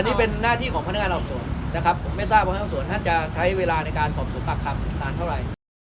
นี่เป็นหน้าที่ของพนักงานสอบส่วนนะครับผมไม่ทราบว่าทั้งสองส่วนท่านจะใช้เวลาในการสอบสวนปากคำนานเท่าไหร่